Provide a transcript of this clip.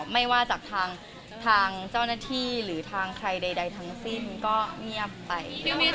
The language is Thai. ไม่ว่าจากทางเจ้าหน้าที่หรือทางใครใดทั้งสิ้นก็เงียบไป